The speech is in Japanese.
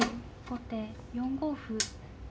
後手４五歩。